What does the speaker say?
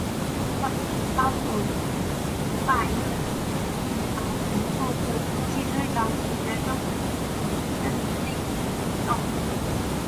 东莞工商总会刘百乐中学会把曾做过风纪队长及学生会会长的学生名字印在板上。